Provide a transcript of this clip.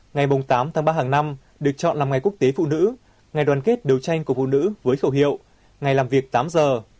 ngày tám tháng ba hàng năm được chọn là ngày quốc tế phụ nữ ngày đoàn kết đấu tranh của phụ nữ với khẩu hiệu ngày làm việc tám giờ